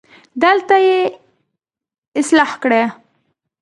دلته يې اصلاح کړه